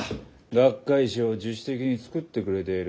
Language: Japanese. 学会誌を自主的に作ってくれている。